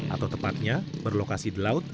atau tepatnya berlokasi di laut